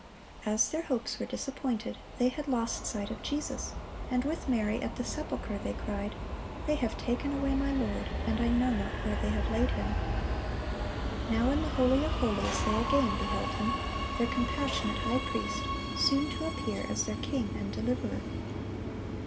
As their hopes were disappointed, they had lost sight of Jesus, and with Mary at the sepulcher they cried, "They have taken away my Lord, and I know not where they have laid Him." Now in the holy of holies they again beheld Him, their compassionate high priest, soon to appear as their king and deliverer.